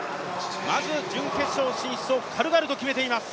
まず準決勝進出を軽々と決めています。